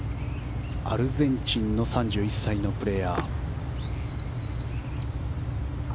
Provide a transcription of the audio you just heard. アルゼンチンの３１歳のプレーヤー。